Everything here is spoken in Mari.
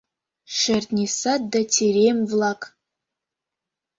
Шӧртньӧ сад да терем-влак;